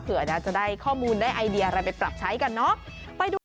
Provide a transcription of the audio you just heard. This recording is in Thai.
จะได้ข้อมูลได้ไอเดียอะไรไปปรับใช้กันเนอะไปดู